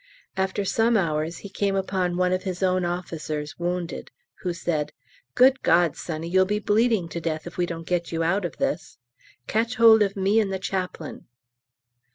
After some hours he came upon one of his own officers wounded, who said, "Good God, sonny, you'll be bleeding to death if we don't get you out of this; catch hold of me and the Chaplain."